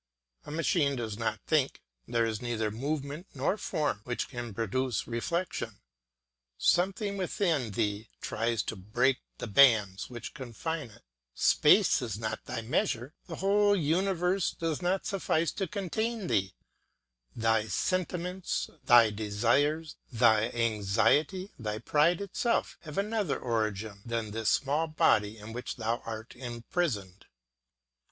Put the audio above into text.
A machine does not think, there is neither movement nor form which can produce reflection; something within thee tries to break the bands which confine it; space is not thy measure, the whole universe does not suffice to contain thee; thy sentiments, thy desires, thy anxiety, thy pride itself, have another origin than this small body in which thou art imprisoned.